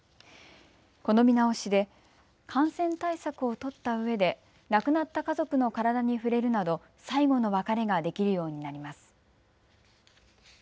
この見直しで感染対策を取ったうえで亡くなった家族の体に触れるなど最後の別れができるようになります。